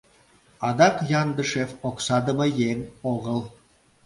Адак Яндышев оксадыме еҥ огыл...